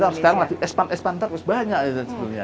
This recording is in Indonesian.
dan kita sekarang lagi expand terus banyak ya di seluruh dunia